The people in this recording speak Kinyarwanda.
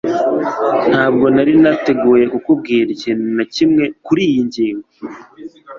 Ntabwo nari nateguye kukubwira ikintu na kimwe kuriyi ngingo